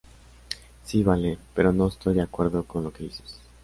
Si vale, pero no estoy de acuerdo con lo que dices